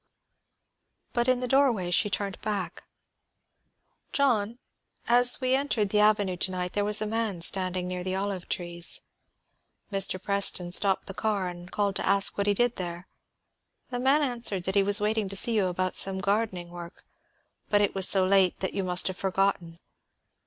But in the doorway she turned back. "John, as we entered the avenue to night, there was a man standing near the olive trees. Mr. Preston stopped the car and called to ask what he did there. The man answered that he was waiting to see you about some gardening work, but it was so late that you must have forgotten.